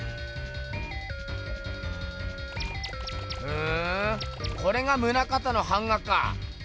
ふんこれが棟方の版画か。